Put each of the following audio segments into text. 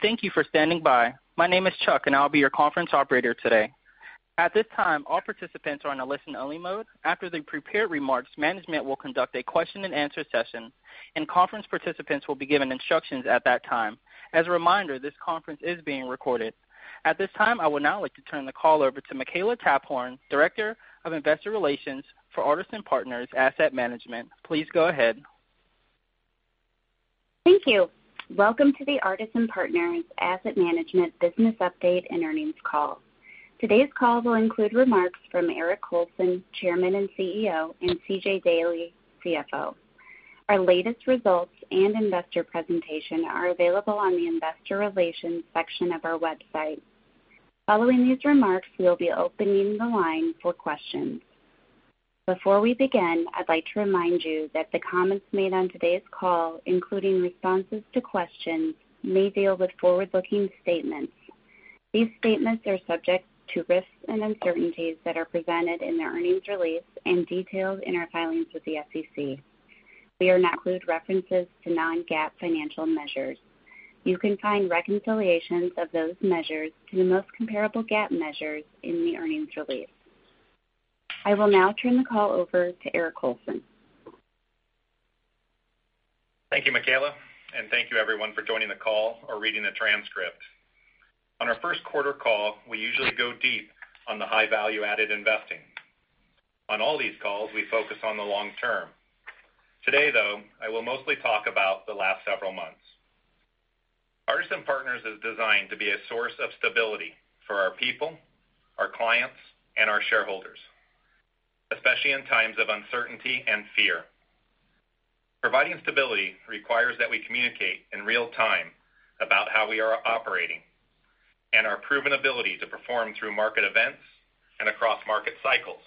Thank you for standing by. My name is Chuck, and I'll be your conference operator today. At this time, all participants are in a listen-only mode. After the prepared remarks, management will conduct a question-and-answer session, and conference participants will be given instructions at that time. As a reminder, this conference is being recorded. At this time, I would now like to turn the call over to Makela Taphorn, Director of Investor Relations for Artisan Partners Asset Management. Please go ahead. Thank you. Welcome to the Artisan Partners Asset Management business update and earnings call. Today's call will include remarks from Eric Colson, Chairman and CEO, and C.J. Daley, CFO. Our latest results and investor presentation are available on the investor relations section of our website. Following these remarks, we will be opening the line for questions. Before we begin, I'd like to remind you that the comments made on today's call, including responses to questions, may deal with forward-looking statements. These statements are subject to risks and uncertainties that are presented in the earnings release and detailed in our filings with the SEC. include references to non-GAAP financial measures. You can find reconciliations of those measures to the most comparable GAAP measures in the earnings release. I will now turn the call over to Eric Colson. Thank you, Makela, and thank you everyone for joining the call or reading the transcript. On our first quarter call, we usually go deep on the high value-added investing. On all these calls, we focus on the long term. Today, though, I will mostly talk about the last several months. Artisan Partners is designed to be a source of stability for our people, our clients, and our shareholders, especially in times of uncertainty and fear. Providing stability requires that we communicate in real time about how we are operating and our proven ability to perform through market events and across market cycles.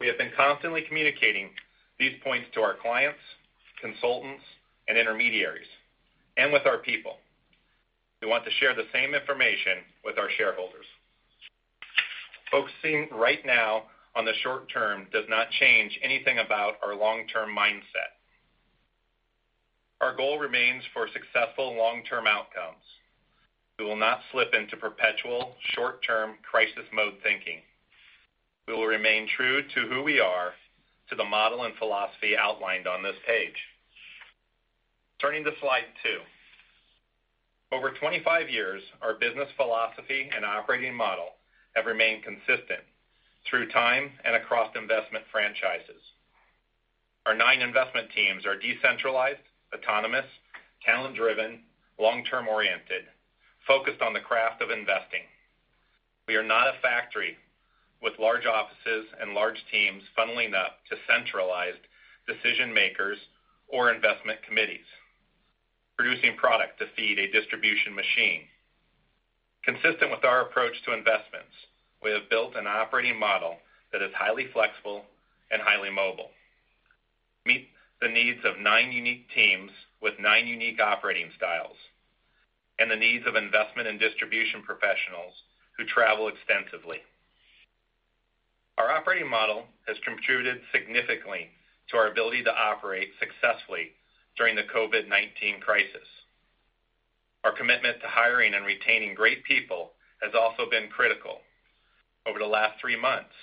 We have been constantly communicating these points to our clients, consultants, and intermediaries, and with our people. We want to share the same information with our shareholders. Focusing right now on the short term does not change anything about our long-term mindset. Our goal remains for successful long-term outcomes. We will not slip into perpetual short-term crisis mode thinking. We will remain true to who we are, to the model and philosophy outlined on this page. Turning to slide two. Over 25 years, our business philosophy and operating model have remained consistent through time and across investment franchises. Our nine investment teams are decentralized, autonomous, talent-driven, long-term oriented, focused on the craft of investing. We are not a factory with large offices and large teams funneling up to centralized decision-makers or investment committees, producing product to feed a distribution machine. Consistent with our approach to investments, we have built an operating model that is highly flexible and highly mobile, meet the needs of nine unique teams with nine unique operating styles, and the needs of investment and distribution professionals who travel extensively. Our operating model has contributed significantly to our ability to operate successfully during the COVID-19 crisis. Our commitment to hiring and retaining great people has also been critical. Over the last three months,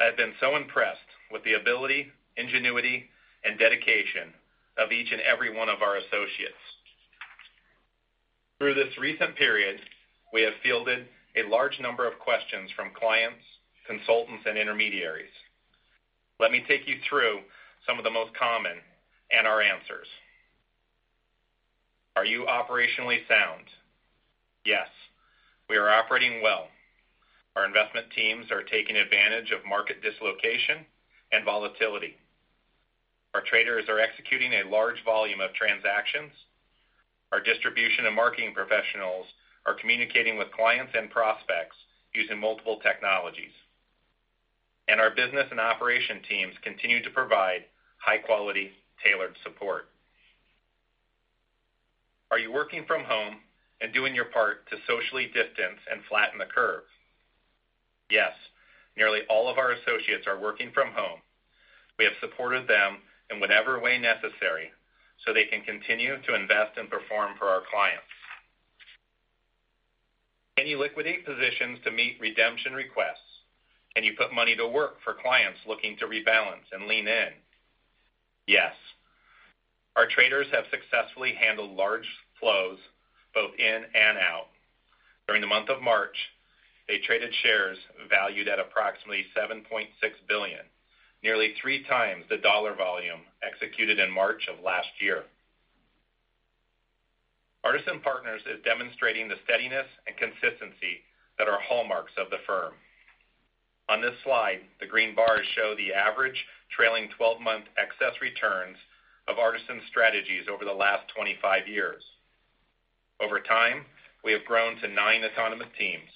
I have been so impressed with the ability, ingenuity, and dedication of each and every one of our associates. Through this recent period, we have fielded a large number of questions from clients, consultants, and intermediaries. Let me take you through some of the most common and our answers. Are you operationally sound? Yes, we are operating well. Our investment teams are taking advantage of market dislocation and volatility. Our traders are executing a large volume of transactions. Our distribution and marketing professionals are communicating with clients and prospects using multiple technologies. Our business and operation teams continue to provide high-quality, tailored support. Are you working from home and doing your part to socially distance and flatten the curve? Yes, nearly all of our associates are working from home. We have supported them in whatever way necessary so they can continue to invest and perform for our clients. Can you liquidate positions to meet redemption requests? Can you put money to work for clients looking to rebalance and lean in? Yes. Our traders have successfully handled large flows both in and out. During the month of March, they traded shares valued at approximately $7.6 billion, nearly 3x the dollar volume executed in March of last year. Artisan Partners is demonstrating the steadiness and consistency that are hallmarks of the firm. On this slide, the green bars show the average trailing 12-month excess returns of Artisan strategies over the last 25 years. Over time, we have grown to nine autonomous teams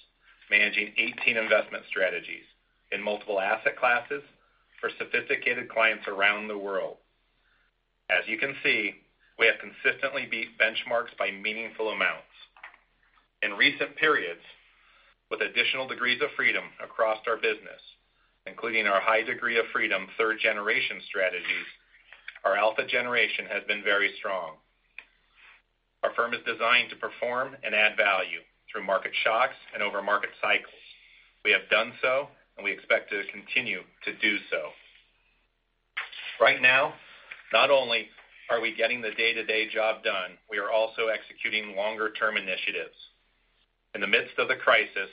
managing 18 investment strategies in multiple asset classes for sophisticated clients around the world. As you can see, we have consistently beat benchmarks by meaningful amounts. In recent periods, with additional degrees of freedom across our business, including our high degree of freedom third-generation strategies, our alpha generation has been very strong. Our firm is designed to perform and add value through market shocks and over market cycles. We have done so, and we expect to continue to do so. Right now, not only are we getting the day-to-day job done, we are also executing longer-term initiatives. In the midst of the crisis,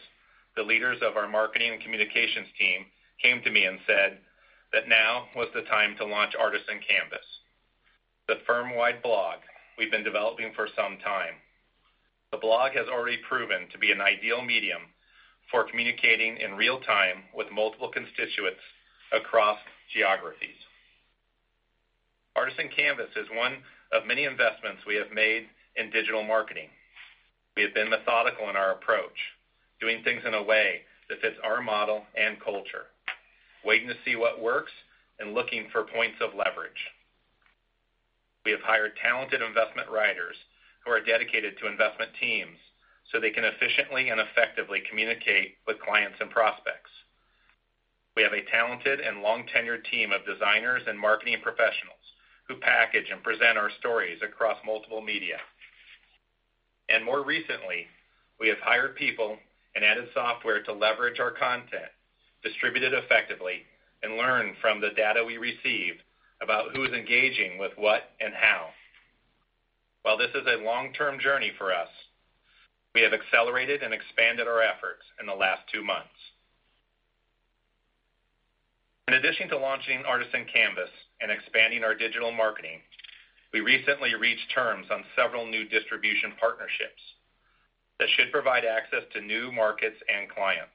the leaders of our marketing and communications team came to me and said that now was the time to launch Artisan Canvas, the firm-wide blog we've been developing for some time. The blog has already proven to be an ideal medium for communicating in real time with multiple constituents across geographies. Artisan Canvas is one of many investments we have made in digital marketing. We have been methodical in our approach, doing things in a way that fits our model and culture, waiting to see what works, and looking for points of leverage. We have hired talented investment writers who are dedicated to investment teams so they can efficiently and effectively communicate with clients and prospects. We have a talented and long-tenured team of designers and marketing professionals who package and present our stories across multiple media. More recently, we have hired people and added software to leverage our content, distribute it effectively, and learn from the data we receive about who's engaging with what and how. While this is a long-term journey for us, we have accelerated and expanded our efforts in the last two months. In addition to launching Artisan Canvas and expanding our digital marketing, we recently reached terms on several new distribution partnerships that should provide access to new markets and clients.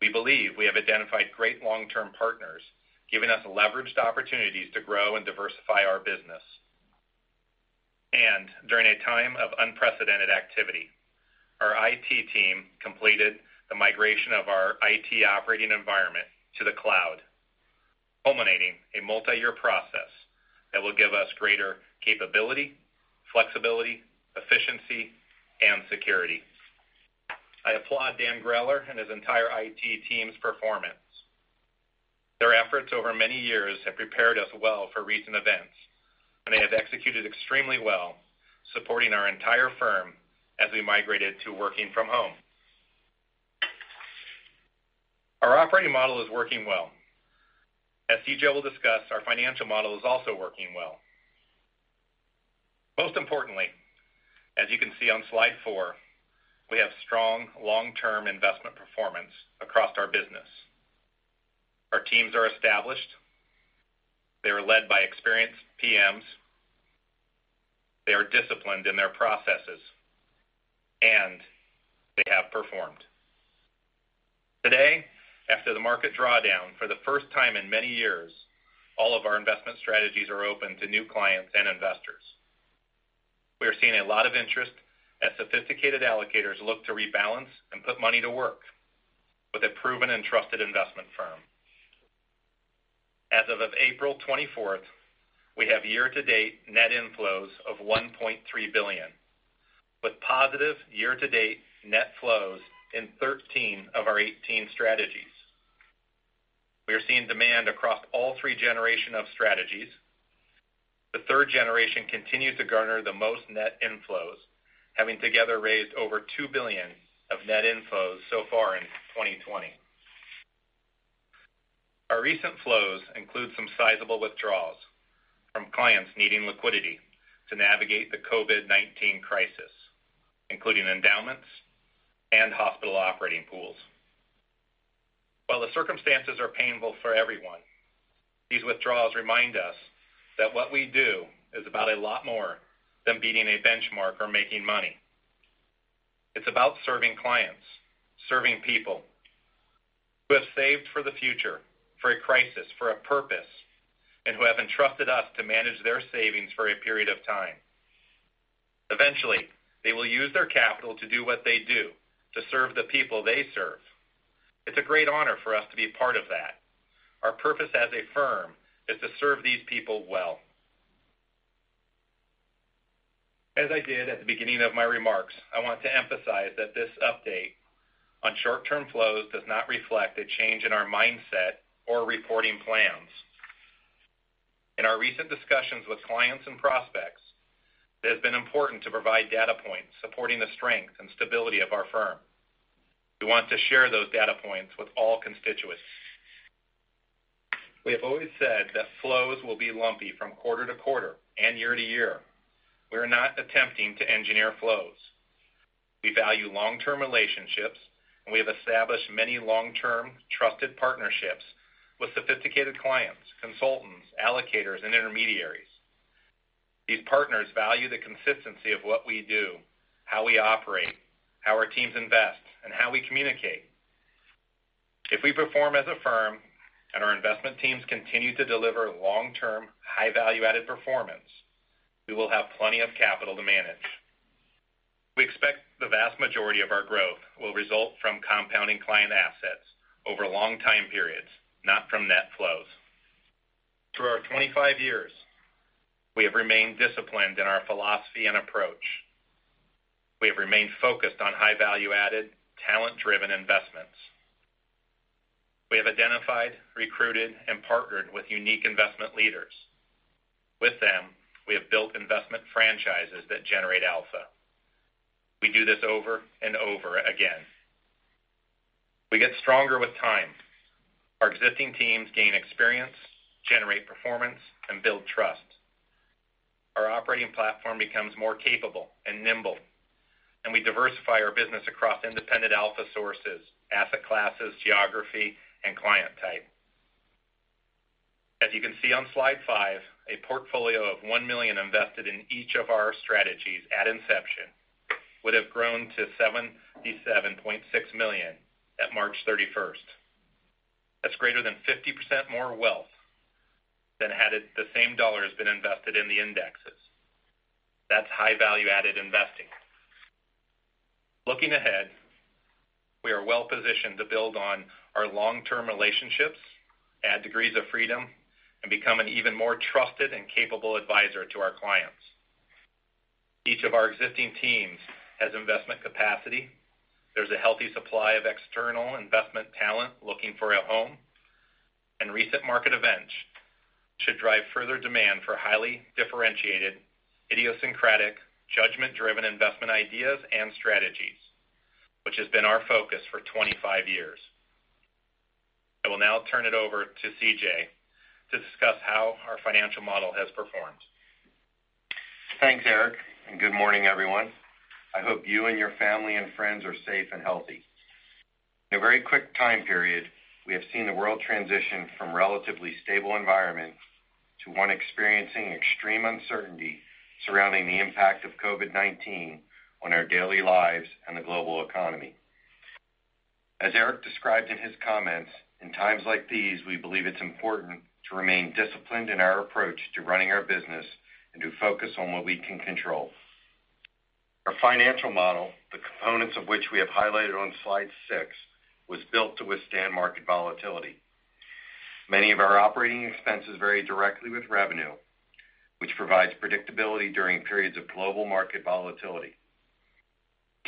We believe we have identified great long-term partners, giving us leveraged opportunities to grow and diversify our business. During a time of unprecedented activity, our IT team completed the migration of our IT operating environment to the cloud, culminating a multi-year process that will give us greater capability, flexibility, efficiency, and security. I applaud Dan Greller and his entire IT team's performance. Their efforts over many years have prepared us well for recent events, and they have executed extremely well, supporting our entire firm as we migrated to working from home. Our operating model is working well. As C.J. will discuss, our financial model is also working well. Most importantly, as you can see on slide four, we have strong long-term investment performance across our business. Our teams are established. They are led by experienced PMs. They are disciplined in their processes, and they have performed. Today, after the market drawdown, for the first time in many years, all of our investment strategies are open to new clients and investors. We are seeing a lot of interest as sophisticated allocators look to rebalance and put money to work with a proven and trusted investment firm. As of April twenty-fourth, we have year-to-date net inflows of $1.3 billion, with positive year-to-date net flows in 13 of our 18 strategies. We are seeing demand across all three generation of strategies. The third generation continues to garner the most net inflows, having together raised over $2 billion of net inflows so far in 2020. Our recent flows include some sizable withdrawals from clients needing liquidity to navigate the COVID-19 crisis, including endowments and hospital operating pools. While the circumstances are painful for everyone, these withdrawals remind us that what we do is about a lot more than beating a benchmark or making money. It's about serving clients, serving people who have saved for the future, for a crisis, for a purpose, and who have entrusted us to manage their savings for a period of time. Eventually, they will use their capital to do what they do to serve the people they serve. It's a great honor for us to be part of that. Our purpose as a firm is to serve these people well. As I did at the beginning of my remarks, I want to emphasize that this update on short-term flows does not reflect a change in our mindset or reporting plans. In our recent discussions with clients and prospects, it has been important to provide data points supporting the strength and stability of our firm. We want to share those data points with all constituents. We have always said that flows will be lumpy from quarter to quarter and year-to-year. We are not attempting to engineer flows. We value long-term relationships, and we have established many long-term, trusted partnerships with sophisticated clients, consultants, allocators, and intermediaries. These partners value the consistency of what we do, how we operate, how our teams invest, and how we communicate. If we perform as a firm and our investment teams continue to deliver long-term, high value-added performance, we will have plenty of capital to manage. We expect the vast majority of our growth will result from compounding client assets over long time periods, not from net flows. 25 years, we have remained disciplined in our philosophy and approach. We have remained focused on high value-added, talent-driven investments. We have identified, recruited, and partnered with unique investment leaders. With them, we have built investment franchises that generate alpha. We do this over and over again. We get stronger with time. Our existing teams gain experience, generate performance, and build trust. Our operating platform becomes more capable and nimble, and we diversify our business across independent alpha sources, asset classes, geography, and client type. As you can see on slide five, a portfolio of $1 million invested in each of our strategies at inception would have grown to $77.6 million at March 31st. That's greater than 50% more wealth than had the same dollar has been invested in the indexes. That's high value-added investing. Looking ahead, we are well-positioned to build on our long-term relationships, add degrees of freedom, and become an even more trusted and capable advisor to our clients. Each of our existing teams has investment capacity. There's a healthy supply of external investment talent looking for a home, and recent market events should drive further demand for highly differentiated, idiosyncratic, judgment-driven investment ideas and strategies, which has been our focus for 25 years. I will now turn it over to C.J. to discuss how our financial model has performed. Thanks, Eric, and good morning, everyone. I hope you and your family and friends are safe and healthy. In a very quick time period, we have seen the world transition from a relatively stable environment to one experiencing extreme uncertainty surrounding the impact of COVID-19 on our daily lives and the global economy. As Eric described in his comments, in times like these, we believe it's important to remain disciplined in our approach to running our business and to focus on what we can control. Our financial model, the components of which we have highlighted on slide six, was built to withstand market volatility. Many of our operating expenses vary directly with revenue, which provides predictability during periods of global market volatility.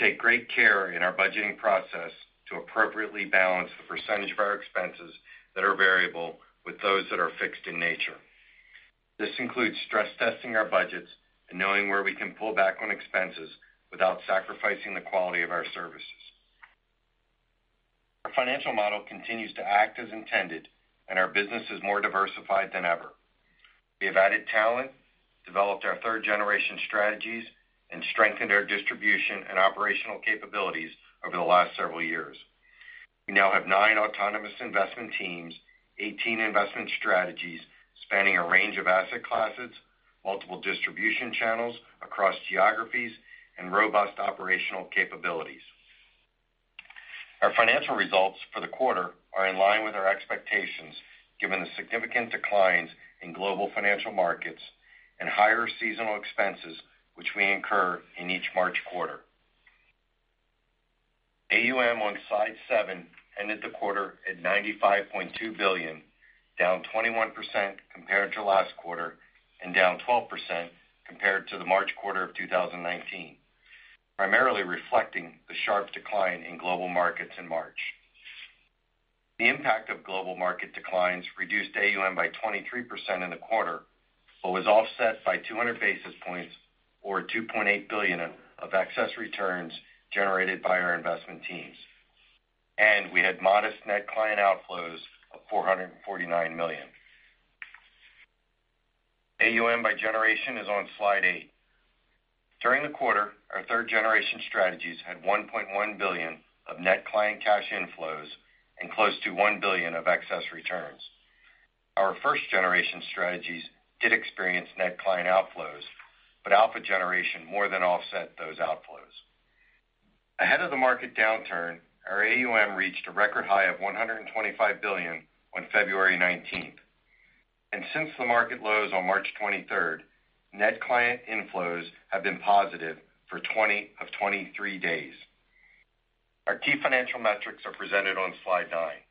We take great care in our budgeting process to appropriately balance the percentage of our expenses that are variable with those that are fixed in nature. This includes stress testing our budgets and knowing where we can pull back on expenses without sacrificing the quality of our services. Our financial model continues to act as intended, and our business is more diversified than ever. We have added talent, developed our third-generation strategies, and strengthened our distribution and operational capabilities over the last several years. We now have nine autonomous investment teams, 18 investment strategies spanning a range of asset classes, multiple distribution channels across geographies, and robust operational capabilities. Our financial results for the quarter are in line with our expectations, given the significant declines in global financial markets and higher seasonal expenses, which we incur in each March quarter. AUM on slide seven ended the quarter at $95.2 billion, down 21% compared to last quarter and down 12% compared to the March quarter of 2019, primarily reflecting the sharp decline in global markets in March. The impact of global market declines reduced AUM by 23% in the quarter, was offset by 200 basis points or $2.8 billion of excess returns generated by our investment teams. We had modest net client outflows of $449 million. AUM by generation is on slide eight. During the quarter, our third-generation strategies had $1.1 billion of net client cash inflows and close to $1 billion of excess returns. Our first-generation strategies did experience net client outflows, alpha generation more than offset those outflows. Ahead of the market downturn, our AUM reached a record high of $125 billion on February 19th. Since the market lows on March 23rd, net client inflows have been positive for 20 of 23 days. Our key financial metrics are presented on slide nine.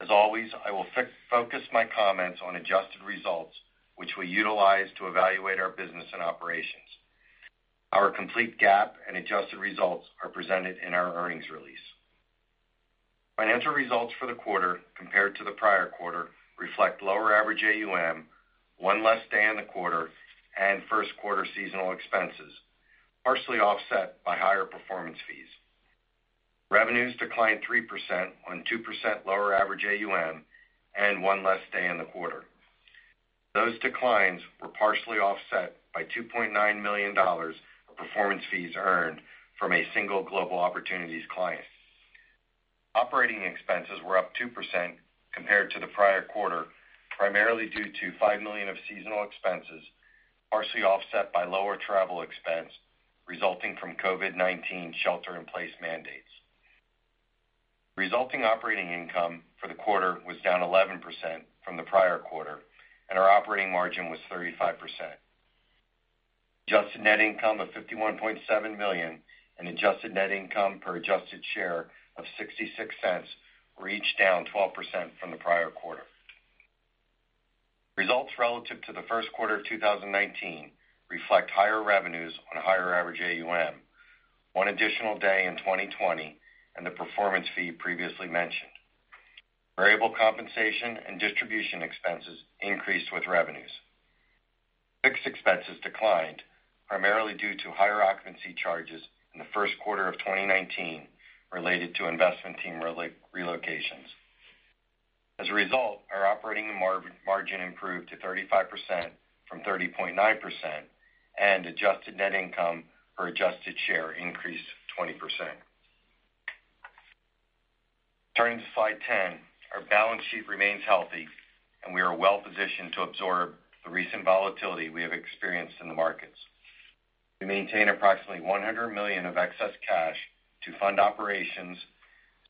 As always, I will focus my comments on adjusted results, which we utilize to evaluate our business and operations. Our complete GAAP and adjusted results are presented in our earnings release. Financial results for the quarter compared to the prior quarter reflect lower average AUM, one less day in the quarter, and first quarter seasonal expenses, partially offset by higher performance fees. Revenues declined 3% on 2% lower average AUM and one less day in the quarter. Those declines were partially offset by $2.9 million of performance fees earned from a single Global Opportunities client. Operating expenses were up 2% compared to the prior quarter, primarily due to $5 million of seasonal expenses, partially offset by lower travel expense resulting from COVID-19 shelter-in-place mandates. Resulting operating income for the quarter was down 11% from the prior quarter, and our operating margin was 35%. Adjusted net income of $51.7 million and adjusted net income per adjusted share of $0.66 were each down 12% from the prior quarter. Results relative to the first quarter of 2019 reflect higher revenues on a higher average AUM, one additional day in 2020, and the performance fee previously mentioned. Variable compensation and distribution expenses increased with revenues. Fixed expenses declined, primarily due to higher occupancy charges in the first quarter of 2019 related to investment team relocations. As a result, our operating margin improved to 35% from 30.9%, and adjusted net income per adjusted share increased 20%. Turning to slide 10. Our balance sheet remains healthy, and we are well-positioned to absorb the recent volatility we have experienced in the markets. We maintain approximately $100 million of excess cash to fund operations,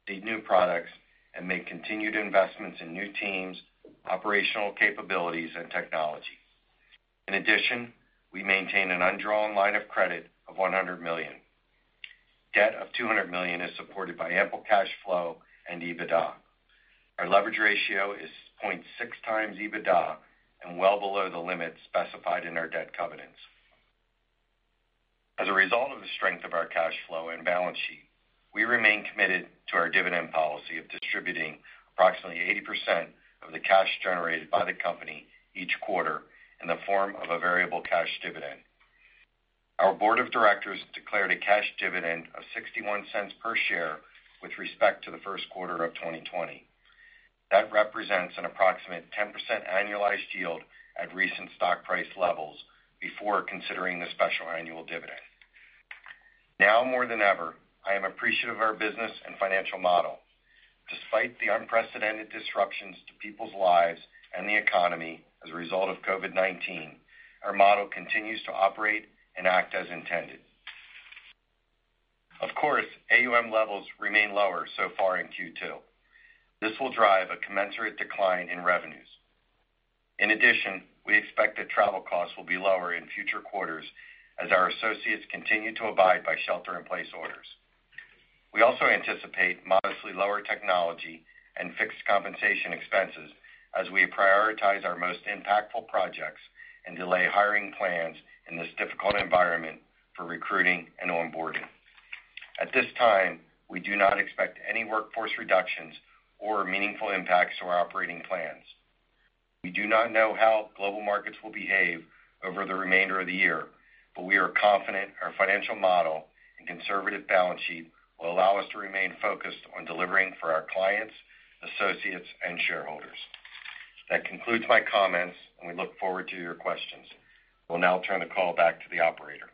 state new products, and make continued investments in new teams, operational capabilities, and technology. In addition, we maintain an undrawn line of credit of $100 million. Debt of $200 million is supported by ample cash flow and EBITDA. Our leverage ratio is 0.6x EBITDA and well below the limit specified in our debt covenants. As a result of the strength of our cash flow and balance sheet, we remain committed to our dividend policy of distributing approximately 80% of the cash generated by the company each quarter in the form of a variable cash dividend. Our board of directors declared a cash dividend of $0.61 per share with respect to the first quarter of 2020. That represents an approximate 10% annualized yield at recent stock price levels before considering the special annual dividend. Now more than ever, I am appreciative of our business and financial model. Despite the unprecedented disruptions to people's lives and the economy as a result of COVID-19, our model continues to operate and act as intended. Of course, AUM levels remain lower so far in Q2. This will drive a commensurate decline in revenues. In addition, we expect that travel costs will be lower in future quarters as our associates continue to abide by shelter-in-place orders. We also anticipate modestly lower technology and fixed compensation expenses as we prioritize our most impactful projects and delay hiring plans in this difficult environment for recruiting and onboarding. At this time, we do not expect any workforce reductions or meaningful impacts to our operating plans. We do not know how global markets will behave over the remainder of the year, but we are confident our financial model and conservative balance sheet will allow us to remain focused on delivering for our clients, associates, and shareholders. That concludes my comments, and we look forward to your questions. We'll now turn the call back to the operator.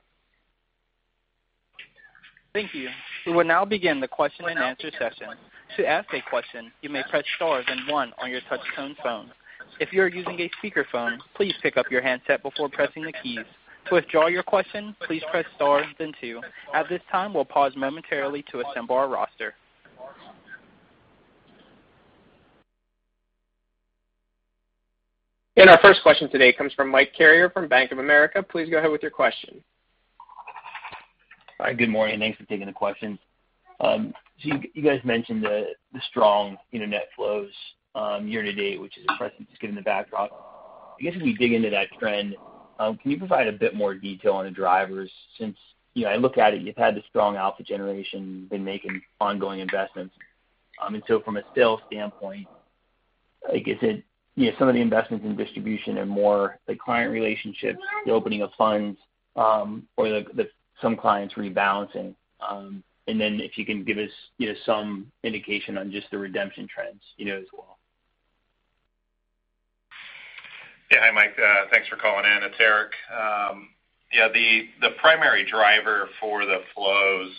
Thank you. We will now begin the question-and-answer session. To ask a question, you may press star then one on your touchtone phone. If you are using a speakerphone, please pick up your handset before pressing the keys. To withdraw your question, please press star then two. At this time, we'll pause momentarily to assemble our roster. Our first question today comes from Mike Carrier from Bank of America. Please go ahead with your question. Hi, good morning. Thanks for taking the question. You guys mentioned the strong net flows year-to-date, which is impressive, just given the backdrop. I guess as we dig into that trend, can you provide a bit more detail on the drivers since I look at it, you've had the strong alpha generation been making ongoing investments. From a sales standpoint, I guess some of the investments in distribution are more the client relationships, the opening of funds, or some clients rebalancing. If you can give us some indication on just the redemption trends as well. Yeah. Hi, Mike. Thanks for calling in. It's Eric. Yeah, the primary driver for the flows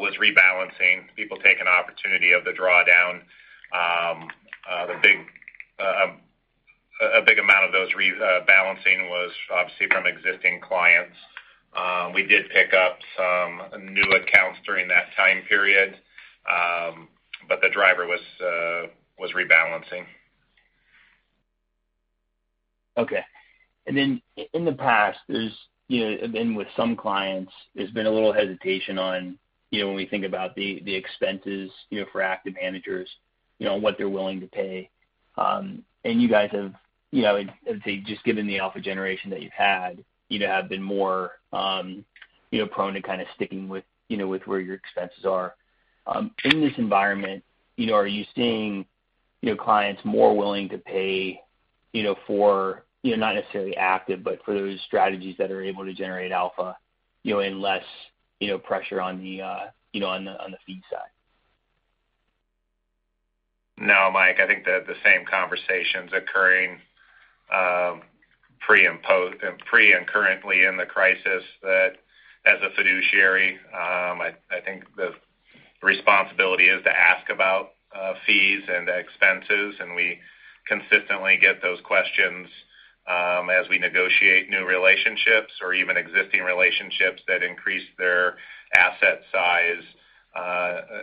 was rebalancing. People take an opportunity of the drawdown. A big amount of those rebalancing was obviously from existing clients. We did pick up some new accounts during that time period. The driver was rebalancing. Okay. In the past, and with some clients, there's been a little hesitation on when we think about the expenses for active managers, what they're willing to pay. You guys have, I'd say just given the alpha generation that you've had, have been more prone to kind of sticking with where your expenses are. In this environment, are you seeing your clients more willing to pay for not necessarily active, but for those strategies that are able to generate alpha, and less pressure on the fee side? No, Mike. I think the same conversation's occurring pre and currently in the crisis that as a fiduciary, I think the responsibility is to ask about fees and expenses, and we consistently get those questions as we negotiate new relationships or even existing relationships that increase their asset size.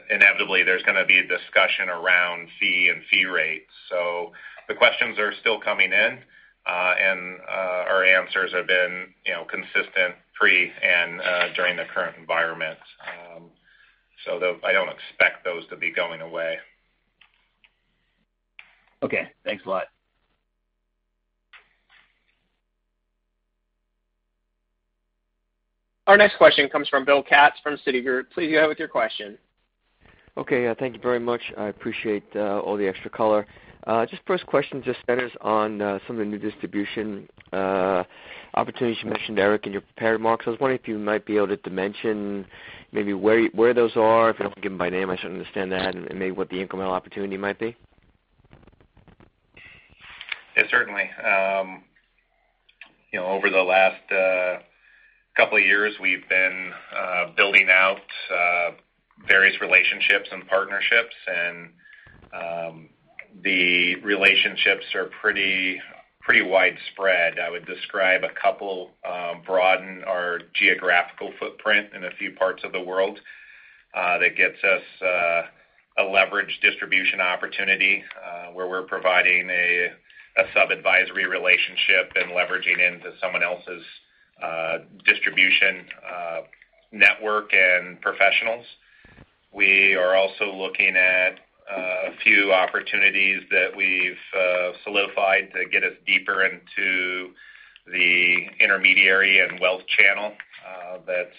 Inevitably, there's going to be a discussion around fee and fee rates. The questions are still coming in, and our answers have been consistent pre and during the current environment. I don't expect those to be going away. Okay. Thanks a lot. Our next question comes from Bill Katz from Citigroup. Please go ahead with your question. Okay. Thank you very much. I appreciate all the extra color. Just first question just centers on some of the new distribution opportunities you mentioned, Eric, in your prepared marks. I was wondering if you might be able to mention maybe where those are. If you don't want to give them by name, I understand that, and maybe what the incremental opportunity might be. Yes, certainly. Over the last couple of years, we've been building out various relationships and partnerships. The relationships are pretty widespread. I would describe a couple broaden our geographical footprint in a few parts of the world. That gets us a leverage distribution opportunity, where we're providing a sub-advisory relationship and leveraging into someone else's distribution network and professionals. We are also looking at a few opportunities that we've solidified to get us deeper into the intermediary and wealth channel. That,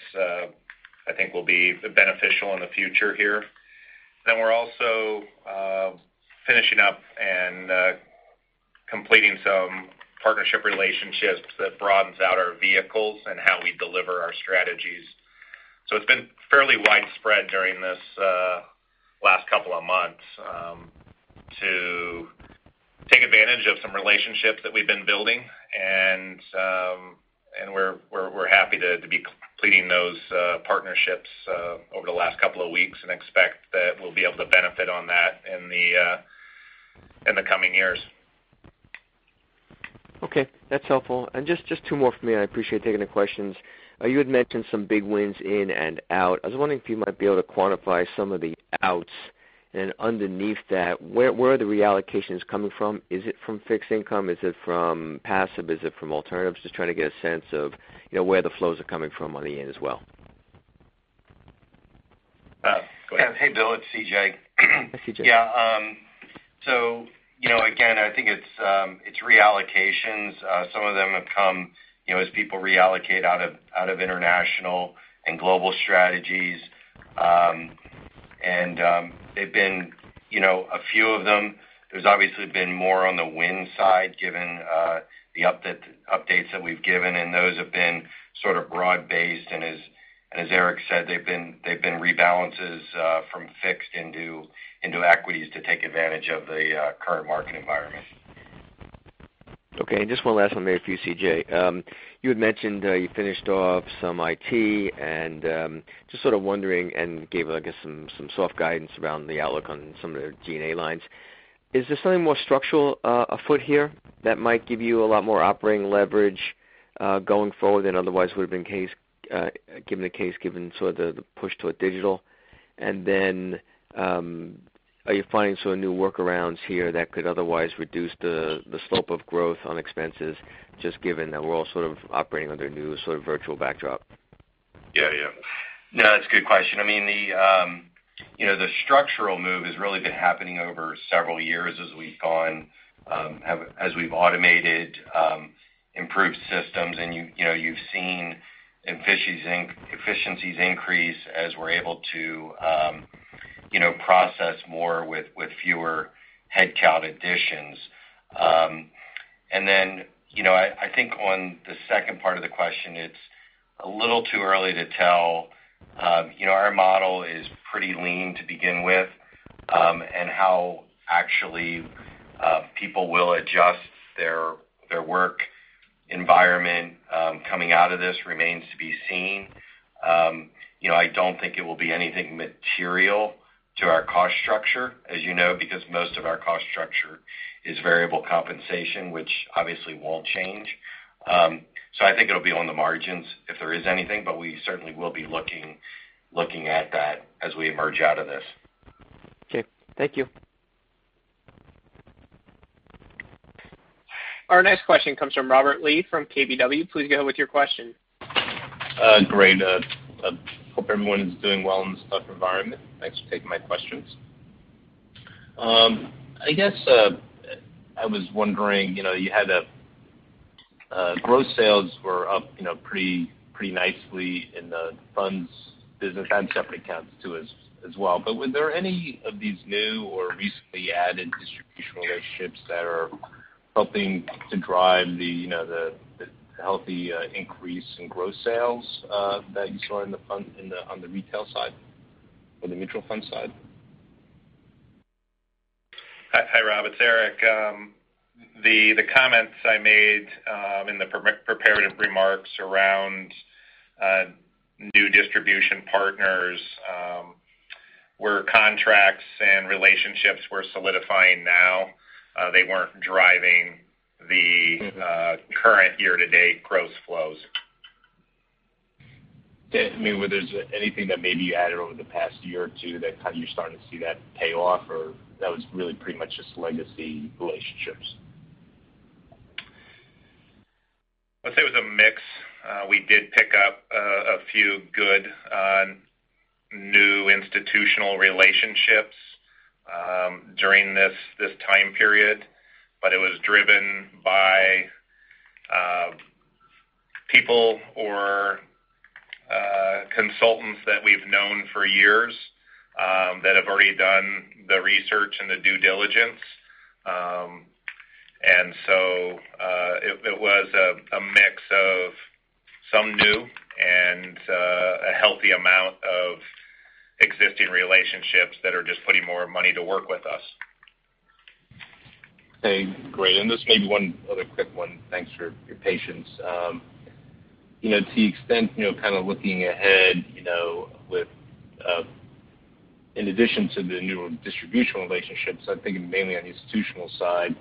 I think, will be beneficial in the future here. We're also finishing up and completing some partnership relationships that broadens out our vehicles and how we deliver our strategies. It's been fairly widespread during this last couple of months to take advantage of some relationships that we've been building, and we're happy to be completing those partnerships over the last couple of weeks and expect that we'll be able to benefit on that in the coming years. Okay, that's helpful. Just two more from me, I appreciate taking the questions. You had mentioned some big wins in and out. I was wondering if you might be able to quantify some of the outs. Underneath that, where are the reallocations coming from? Is it from fixed income? Is it from passive? Is it from alternatives? Just trying to get a sense of where the flows are coming from on the in as well. Go ahead. Hey, Bill, it's CJ. Hi, C.J. Yeah. Again, I think it's reallocations. Some of them have come as people reallocate out of international and global strategies. A few of them, there's obviously been more on the win side given the updates that we've given, and those have been sort of broad based. As Eric said, they've been rebalances from fixed into equities to take advantage of the current market environment. Okay, just one last one there for you, CJ. You had mentioned you finished off some IT, and just sort of wondering, and gave, I guess, some soft guidance around the outlook on some of the G&A lines. Is there something more structural afoot here that might give you a lot more operating leverage going forward than otherwise would have been the case, given the push to digital? Then, are you finding new workarounds here that could otherwise reduce the slope of growth on expenses, just given that we're all sort of operating under new sort of virtual backdrop? Yeah. No, that's a good question. The structural move has really been happening over several years as we've automated improved systems, and you've seen efficiencies increase as we're able to process more with fewer headcount additions. I think on the second part of the question, it's a little too early to tell. Our model is pretty lean to begin with. How actually people will adjust their work environment coming out of this remains to be seen. I don't think it will be anything material to our cost structure, as you know, because most of our cost structure is variable compensation, which obviously won't change. I think it'll be on the margins if there is anything, but we certainly will be looking at that as we emerge out of this. Okay. Thank you. Our next question comes from Robert Lee from KBW. Please go ahead with your question. Great. Hope everyone's doing well in this tough environment. Thanks for taking my questions. I guess I was wondering, gross sales were up pretty nicely in the funds business and separate accounts too as well. Were there any of these new or recently added distribution relationships that are helping to drive the healthy increase in gross sales that you saw on the retail side or the mutual fund side? Hi, Rob. It's Eric. The comments I made in the prepared remarks around new distribution partners were contracts and relationships we're solidifying now. They weren't driving the current year-to-date gross flows. I mean, was there anything that maybe you added over the past year or two that you're starting to see that pay off, or that was really pretty much just legacy relationships? Let's say it was a mix. We did pick up a few good new institutional relationships during this time period. It was driven by people or consultants that we've known for years, that have already done the research and the due diligence. It was a mix of some new and a healthy amount of existing relationships that are just putting more money to work with us. Okay, great. Just maybe one other quick one. Thanks for your patience. To the extent, kind of looking ahead, in addition to the newer distribution relationships, I'm thinking mainly on the institutional side.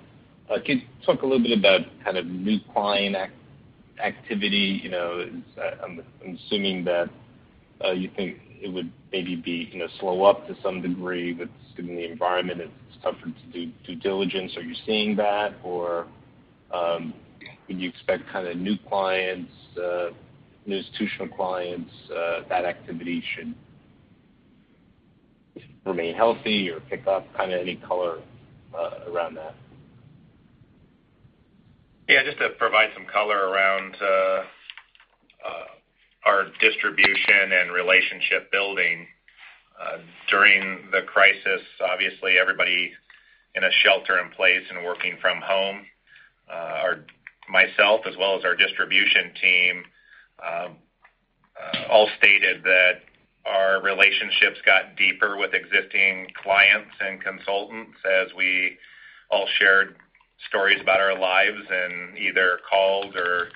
Can you talk a little bit about kind of new client activity? I'm assuming that you think it would maybe be slow up to some degree with given the environment, it's tougher to do due diligence. Are you seeing that or would you expect kind of new clients, new institutional clients, that activity should remain healthy or pick up? Kind of any color around that. Yeah, just to provide some color around our distribution and relationship building. During the crisis, obviously, everybody in a shelter in place and working from home. Myself, as well as our distribution team, all stated that our relationships got deeper with existing clients and consultants as we all shared stories about our lives and either called or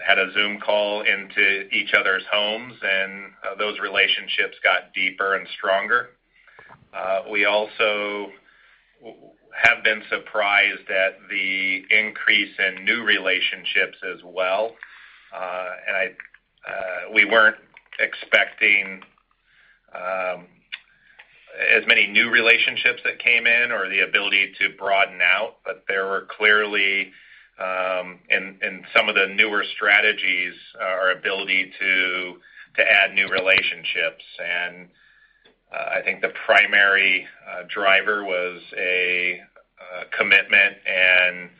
had a Zoom call into each other's homes, and those relationships got deeper and stronger. We also have been surprised at the increase in new relationships as well. We weren't expecting as many new relationships that came in or the ability to broaden out. There were clearly, in some of the newer strategies, our ability to add new relationships. I think the primary driver was a commitment and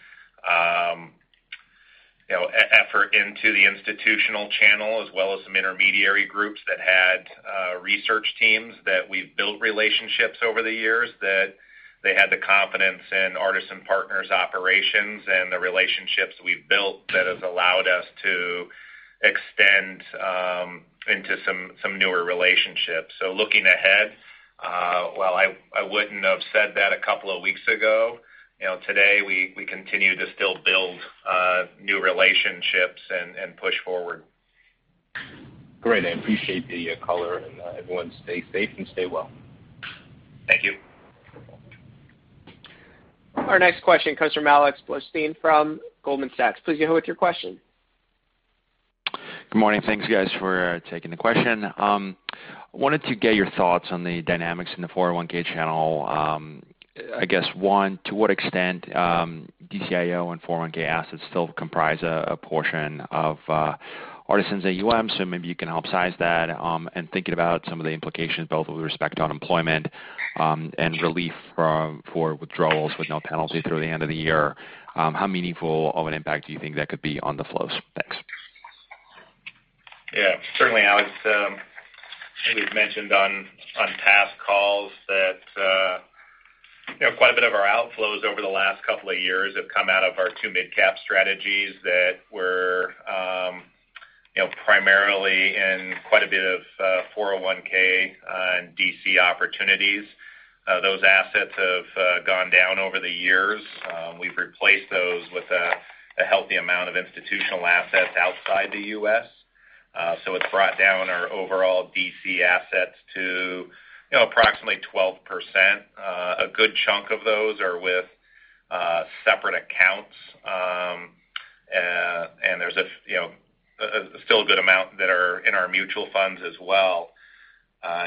effort into the institutional channel as well as some intermediary groups that had research teams that we've built relationships over the years, that they had the confidence in Artisan Partners' operations and the relationships we've built that has allowed us to extend into some newer relationships. Looking ahead, while I wouldn't have said that a couple of weeks ago, today we continue to still build new relationships and push forward. Great. I appreciate the color. Everyone stay safe and stay well. Thank you. Our next question comes from Alex Blostein from Goldman Sachs. Please go ahead with your question. Good morning. Thanks, guys, for taking the question. I wanted to get your thoughts on the dynamics in the 401(k) channel. I guess, one, to what extent DCIO and 401(k) assets still comprise a portion of Artisan's AUM. Maybe you can help size that. Thinking about some of the implications, both with respect to unemployment and relief for withdrawals with no penalty through the end of the year. How meaningful of an impact do you think that could be on the flows? Thanks. Yeah. Certainly, Alex. We've mentioned on past calls that quite a bit of our outflows over the last couple of years have come out of our two mid-cap strategies that were primarily in quite a bit of 401 and DC opportunities. Those assets have gone down over the years. We've replaced those with a healthy amount of institutional assets outside the U.S. It's brought down our overall DC assets to approximately 12%. A good chunk of those are with separate accounts. There's still a good amount that are in our mutual funds as well.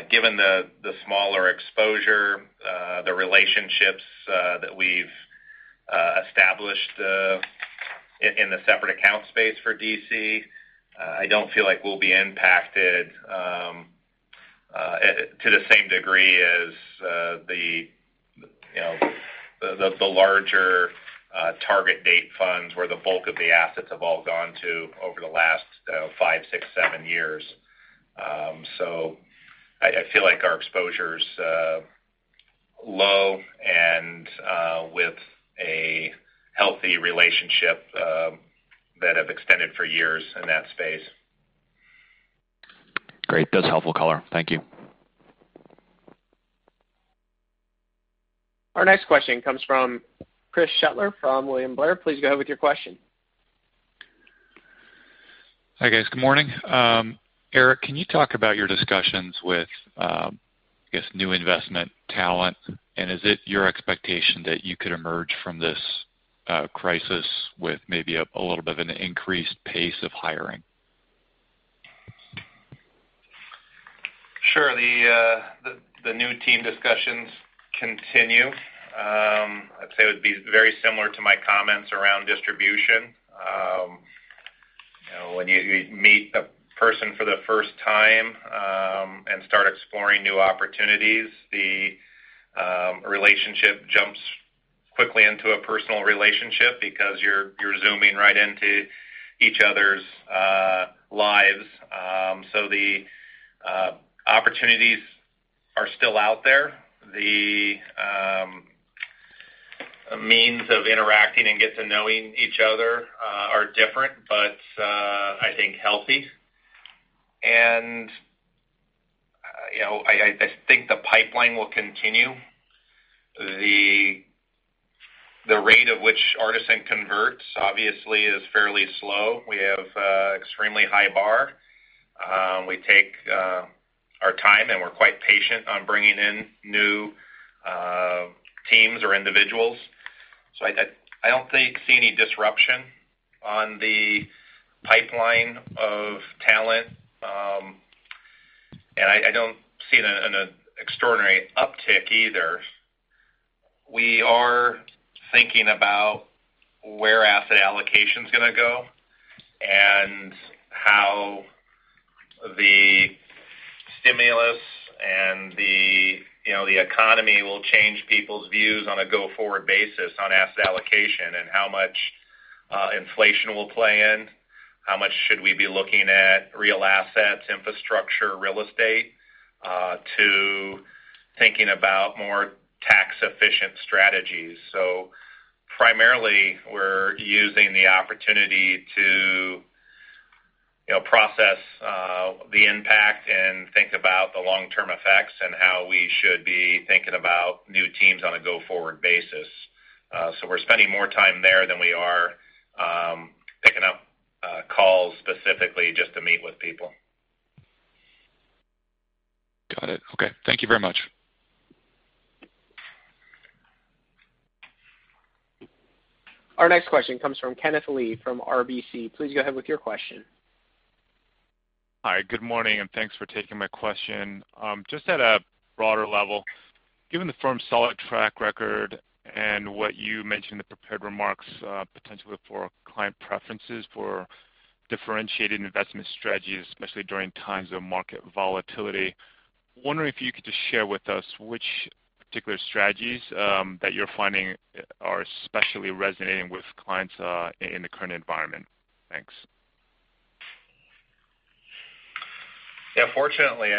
Given the smaller exposure, the relationships that we've established in the separate account space for DC, I don't feel like we'll be impacted to the same degree as the larger target date funds where the bulk of the assets have all gone to over the last five, six, seven years. I feel like our exposure's low and with a healthy relationship that have extended for years in that space. Great. That's helpful color. Thank you. Our next question comes from Chris Shutler from William Blair. Please go ahead with your question. Hi, guys. Good morning. Eric, can you talk about your discussions with, I guess, new investment talent? Is it your expectation that you could emerge from this crisis with maybe a little bit of an increased pace of hiring? Sure. The new team discussions continue. I'd say it would be very similar to my comments around distribution. When you meet a person for the first time, and start exploring new opportunities, the relationship jumps quickly into a personal relationship because you're zooming right into each other's lives. The opportunities are still out there. The means of interacting and get to knowing each other are different, but I think healthy. I think the pipeline will continue. The rate at which Artisan converts obviously is fairly slow. We have extremely high bar. We take our time, and we're quite patient on bringing in new teams or individuals. I don't think see any disruption on the pipeline of talent. I don't see an extraordinary uptick either. We are thinking about where asset allocation's going to go, and how the stimulus and the economy will change people's views on a go-forward basis on asset allocation, and how much inflation will play in, how much should we be looking at real assets, infrastructure, real estate, to thinking about more tax-efficient strategies. Primarily, we're using the opportunity to process the impact and think about the long-term effects and how we should be thinking about new teams on a go-forward basis. We're spending more time there than we are picking up calls specifically just to meet with people. Got it. Okay. Thank you very much. Our next question comes from Kenneth Lee from RBC. Please go ahead with your question. Hi, good morning, and thanks for taking my question. Just at a broader level, given the firm's solid track record and what you mentioned in the prepared remarks, potentially for client preferences for differentiated investment strategies, especially during times of market volatility, wondering if you could just share with us which particular strategies that you're finding are especially resonating with clients in the current environment. Thanks. Yeah. Fortunately,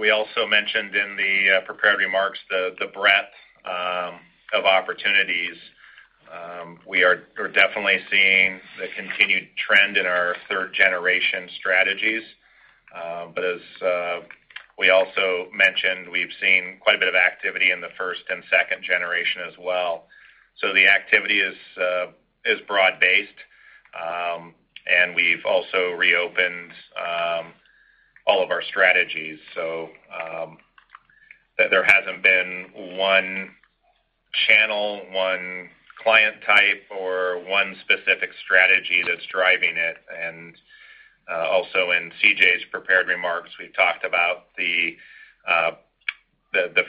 we also mentioned in the prepared remarks the breadth of opportunities. We are definitely seeing the continued trend in our third-generation strategies. As we also mentioned, we've seen quite a bit of activity in the first and second generation as well. The activity is broad-based. We've also reopened all of our strategies. There hasn't been one channel, one client type, or one specific strategy that's driving it. Also in C.J.'s prepared remarks, we've talked about the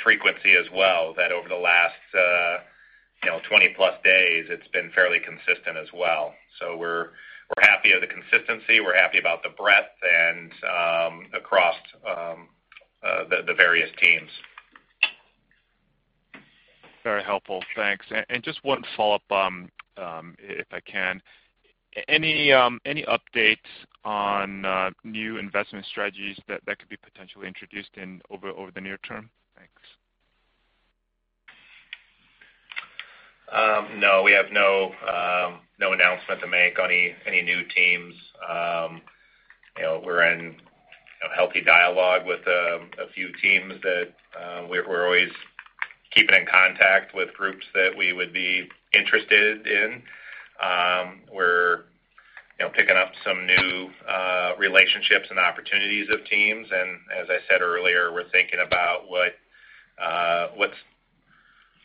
frequency as well, that over the last 20-plus days, it's been fairly consistent as well. We're happy with the consistency, we're happy about the breadth, and across the various teams. Very helpful. Thanks. Just one follow-up if I can. Any updates on new investment strategies that could be potentially introduced over the near term? Thanks. No, we have no announcement to make on any new teams. We're in a healthy dialogue with a few teams that we're always keeping in contact with groups that we would be interested in. We're picking up some new relationships and opportunities of teams. As I said earlier, we're thinking about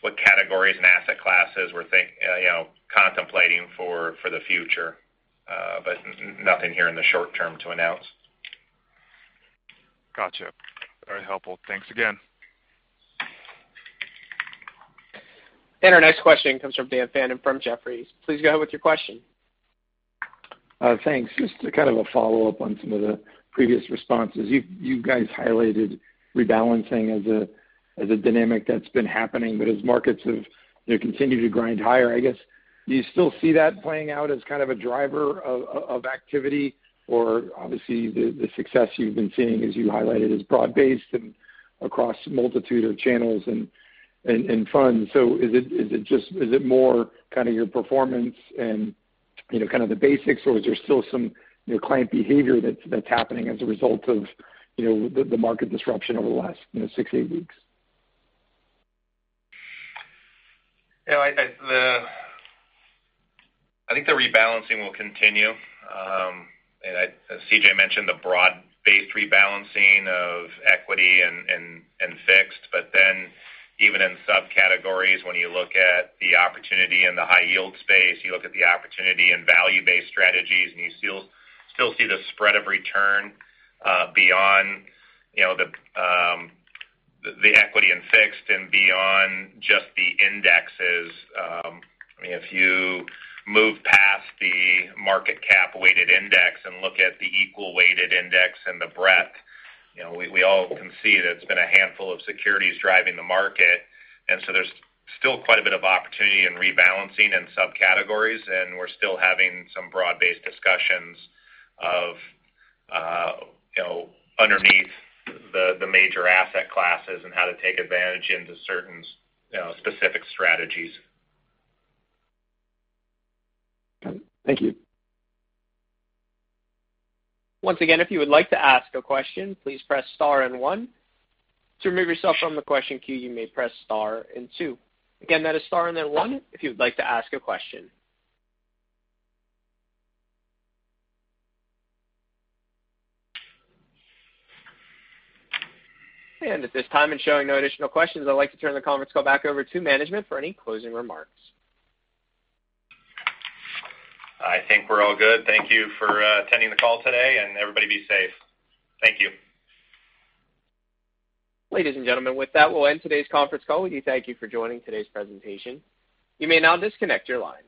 what categories and asset classes we're contemplating for the future. Nothing here in the short term to announce. Got you. Very helpful. Thanks again. Our next question comes from Dan Fannon from Jefferies. Please go ahead with your question. Thanks. Just kind of a follow-up on some of the previous responses. You guys highlighted rebalancing as a dynamic that's been happening. As markets have continued to grind higher, I guess, do you still see that playing out as kind of a driver of activity? Obviously, the success you've been seeing, as you highlighted, is broad-based and across a multitude of channels and funds. Is it more kind of your performance and kind of the basics, or is there still some client behavior that's happening as a result of the market disruption over the last six to eight weeks? I think the rebalancing will continue. CJ mentioned the broad-based rebalancing of equity and fixed. Even in subcategories, when you look at the opportunity in the high-yield space, you look at the opportunity in value-based strategies, and you still see the spread of return beyond the equity and fixed and beyond just the indexes. If you move past the market cap-weighted index and look at the equal-weighted index and the breadth, we all can see that it's been a handful of securities driving the market. There's still quite a bit of opportunity in rebalancing in subcategories, and we're still having some broad-based discussions of underneath the major asset classes and how to take advantage into certain specific strategies. Got it. Thank you. Once again, if you would like to ask a question, please press star and one. To remove yourself from the question queue, you may press star and two. Again, that is star and then one if you would like to ask a question. At this time, and showing no additional questions, I'd like to turn the conference call back over to management for any closing remarks. I think we're all good. Thank you for attending the call today, and everybody be safe. Thank you. Ladies and gentlemen, with that, we'll end today's conference call. We do thank you for joining today's presentation. You may now disconnect your lines.